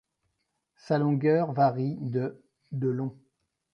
Sa longueur varie de de long.